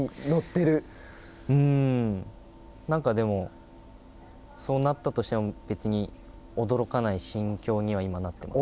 何かでもそうなったとしても、別に驚かない心境には今なっています。